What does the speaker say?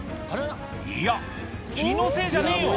いや気のせいじゃねえよ！